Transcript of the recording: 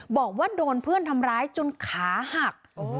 บอกว่าโดนเพื่อนทำร้ายจนขาหัก